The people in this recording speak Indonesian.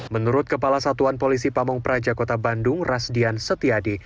menurut kepala satuan polisi pamung prajakota bandung rasdian setiadi